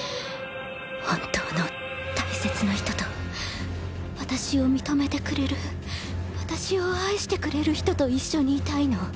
本当の大切な人と私を認めてくれる私を愛してくれる人と一緒にいたいの。